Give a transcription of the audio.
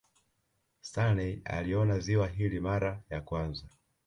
Stanley aliona ziwa hili mara ya kwanza